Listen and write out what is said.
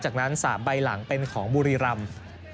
จากนั้น๓ใบหลังเป็นของบุรีรำ